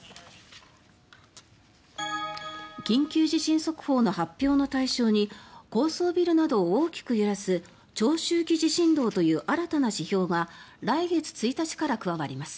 緊急地震速報の発表の対象に高層ビルなどを大きく揺らす長周期地震動という新たな指標が来月１日から加わります。